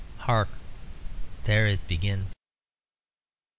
Hark! there it begins."